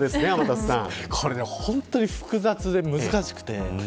これは本当に複雑で難しくて。